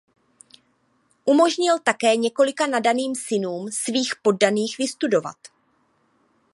Umožnil také několika nadaným synům svých poddaných vystudovat.